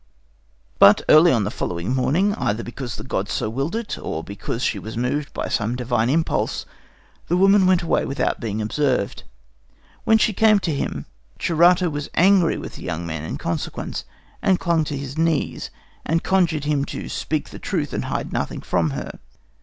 "But early on the following morning, either because the gods so willed it or because she was moved by some divine impulse, the woman went away without being observed. When she came to him, Charito was angry with the young man in consequence, and clung to his knees, and conjured him to speak the truth and hide nothing from her.